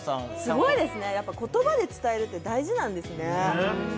すごいですねやっぱ言葉で伝えるって大事なんですねねっ